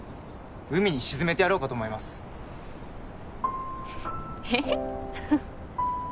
海に沈めてやろうかと思いますえっ？